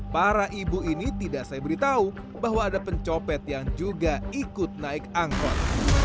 para ibu ini tidak saya beritahu bahwa ada pencopet yang juga ikut naik angkot